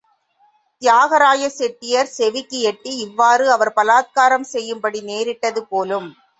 தியாகராய செட்டியார் செவிக்கு எட்டி, இவ்வாறு அவர் பலாத்காரம் செய்யும்படி நேரிட்டது போலும்.